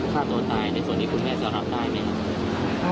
ฆ่าตัวตายในส่วนนี้คุณแม่จะรับได้ไหมครับ